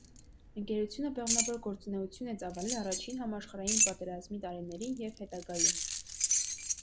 Ընկերությունը բեղմնավոր գործունեություն է ծավալել առաջին համաշխարհային պատերազմի տարիներին և հետագայում։